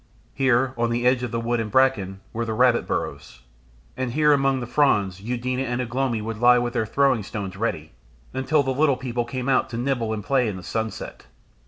Here, on the edge of the wood and bracken, were the rabbit burrows, and here among the fronds Eudena and Ugh lomi would lie with their throwing stones ready, until the little people came out to nibble and play in the sunset.